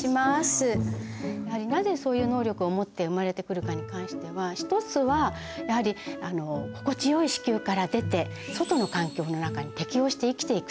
やはりなぜそういう能力を持って生まれてくるかに関しては一つはやはりあの心地よい子宮から出て外の環境の中に適応して生きていくためなんですね。